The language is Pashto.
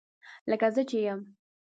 لکه زه چې یم